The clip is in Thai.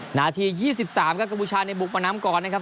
นาที๒๓ครับกัมพูชาในบุกมาน้ำก่อนนะครับ